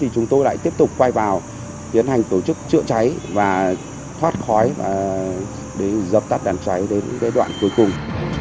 chúng tôi lại tiếp tục quay vào tiến hành tổ chức trựa cháy và thoát khói và để dập tắt đàn cháy đến cái đoạn cuối cùng